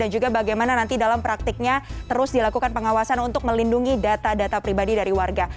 juga bagaimana nanti dalam praktiknya terus dilakukan pengawasan untuk melindungi data data pribadi dari warga